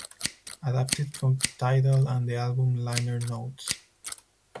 Adapted from Tidal and the album liner notes.